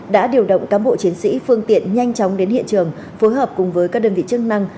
đã điều động cám bộ chiến sĩ phương tiện nhanh chóng đến hiện trường phối hợp cùng với các đơn vị chức năng